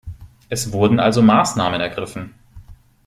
Es wurden also Maßnahmen ergriffen.